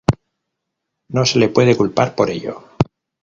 No se le puede culpar por ello".